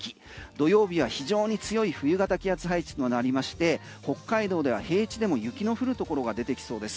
土曜日は非常に強い冬型気圧配置となりまして北海道では平地でも雪の降るところが出てきそうです。